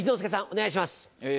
お願いします。